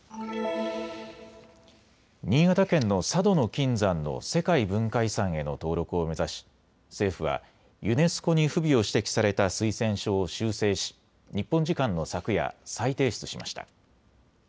新潟県の佐渡島の金山の世界文化遺産への登録を目指し政府はユネスコに不備を指摘された推薦書を修正し日本時間の昨夜、再提出しました。